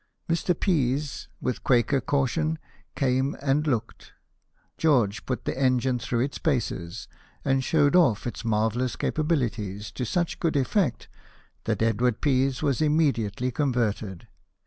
Mr. Pease, with Quaker caution, came and looked. George put the engine through its paces, and showed off its marvellous capabilities to such good effect that Edward Pease was immediately converted.